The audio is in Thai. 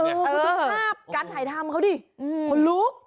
คุณห้าบการถ่ายธามเขาดิคนลุก